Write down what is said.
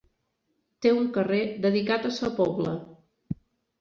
Té un carrer dedicat a sa Pobla.